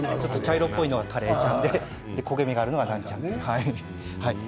茶色いのがカレーちゃんで焦げ目があるのがナンちゃんです。